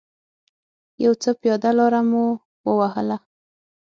یو څه پیاده لاره مو و وهله.